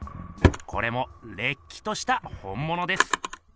これもれっきとした本ものです。